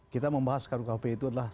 kita membahas rukp itu adalah